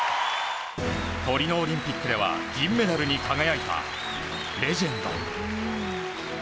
トリノオリンピックでは銀メダルに輝いたレジェンド。